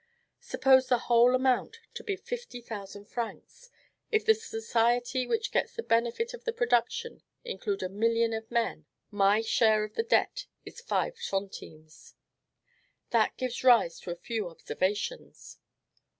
Suppose the whole amount to be fifty thousand francs; if the society which gets the benefit of the production include a million of men, my share of the debt is five centimes. This gives rise to a few observations.